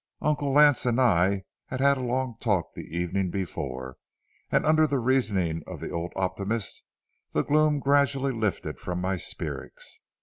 Uncle Lance and I had had a long talk the evening before, and under the reasoning of the old optimist the gloom gradually lifted from my spirits.